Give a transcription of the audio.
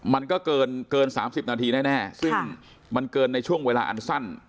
มันก็เกินเกินสามสิบนาทีแน่แน่ซึ่งค่ะมันเกินในช่วงเวลาอันสั้น